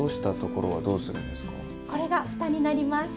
これがふたになります。